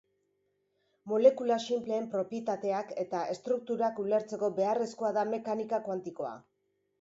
Molekula sinpleen propietateak eta estrukturak ulertzeko beharrezkoa da mekanika kuantikoa.